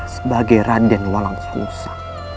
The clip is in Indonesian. sebagai raden walang fungsa